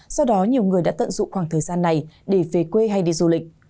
do đó nhiều người đã tận dụng khoảng thời gian này để về quê hay đi du lịch